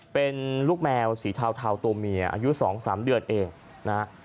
เป็นลูกแมวสีเทาตัวเมียอายุ๒๓เดือนเองนะฮะ